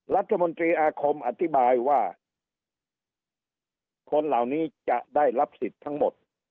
รัฐมนตรีอาคมอธิบายว่าคนเหล่านี้จะได้รับสิทธิ์ทั้งหมด